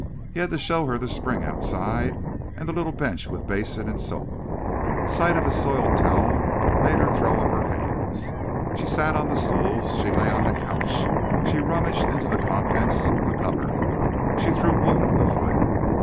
He had to show her the spring outside and the little bench with basin and soap. Sight of his soiled towel made her throw up her hands. She sat on the stools. She lay on the couch. She rummaged into the contents of the cupboard. She threw wood on the fire.